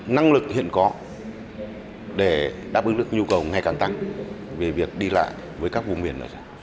năng lực hiện có để đáp ứng lực nhu cầu ngày càng tăng về việc đi lại với các vùng miền